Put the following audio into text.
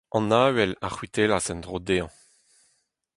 An avel a c’hwitellas en-dro dezhañ.